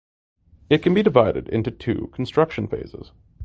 It can be divided into two construction phases.